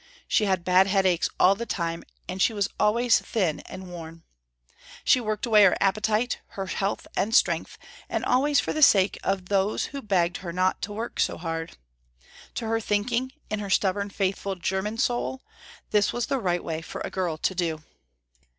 She had bad headaches all the time and she was always thin and worn. She worked away her appetite, her health and strength, and always for the sake of those who begged her not to work so hard. To her thinking, in her stubborn, faithful, german soul, this was the right way for a girl to do.